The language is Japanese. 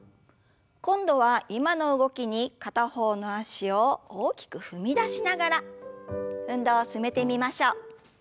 今度は今の動きに片方の脚を大きく踏み出しながら運動を進めてみましょう。